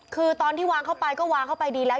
คือตอนที่วางเข้าไปก็วางเข้าไปดีแล้ว